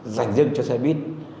dành riêng cho xe buýt